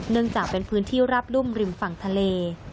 จากเป็นพื้นที่ราบรุ่มริมฝั่งทะเล